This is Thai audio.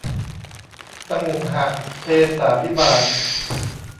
สมุหเทศาภิบาล